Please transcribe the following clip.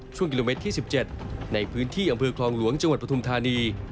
ช่วงกิโลเมตรที่๑๗ในพื้นที่อำเภอคลองหลวงจังหวัดปฐุมธานี